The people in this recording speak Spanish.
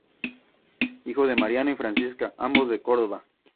Hijo de Mariano y Francisca, ambos de Córdoba.